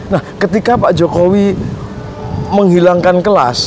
nah ketika pak jokowi menghilangkan kelas